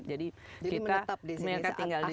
jadi mereka tinggal di sini